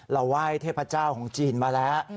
ไหว้เทพเจ้าของจีนมาแล้ว